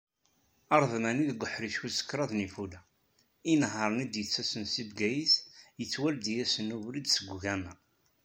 Aredmani deg uḥric wis kraḍ n yifula, inehhaṛen i d-yettasen seg Bgayet yettwaldi-asen ubrid seg ugama.